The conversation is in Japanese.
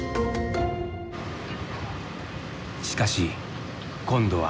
しかし今度は。